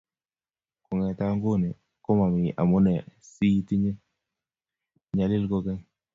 kongete nguno ko mami amune si tinye nyalil kogeny